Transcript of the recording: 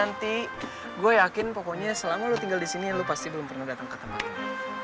nanti gue yakin pokoknya selama lo tinggal di sini lo pasti belum pernah datang ke tempat ini